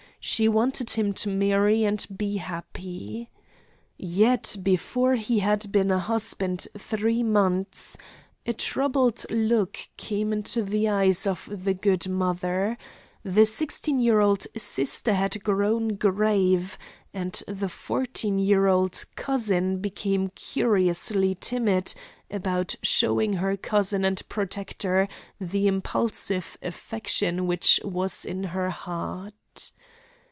She wanted him to marry and to be happy. Yet before he had been a husband three months, a troubled look came into the eyes of the good mother; the sixteen year old sister had grown grave; and the fourteen year old cousin became curiously timid about showing her cousin and protector the impulsive affection which was in her heart.